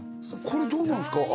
これどうなんですか？